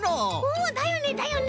うんだよねだよね！